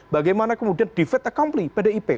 bagaimana kemudian di faith accomplish pdip